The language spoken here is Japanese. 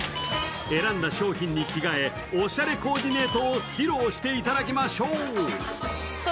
選んだ商品に着替え、おしゃれコーディネートを披露していただきましょう。